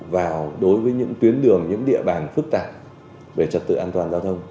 vào đối với những tuyến đường những địa bàn phức tạp về trật tự an toàn giao thông